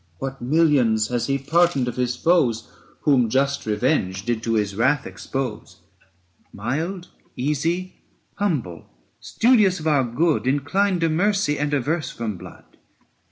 What millions has he pardoned of his foes Whom just revenge did to his wrath expose ? Mild, easy, humble, studious of our good, 335 Inclined to mercy and averse from blood.